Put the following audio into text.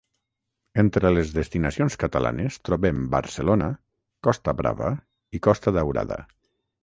Entre les destinacions catalanes trobem Barcelona, Costa Brava i Costa Daurada.